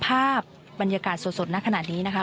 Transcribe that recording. ภาพบรรยากาศสดในขณะนี้นะคะ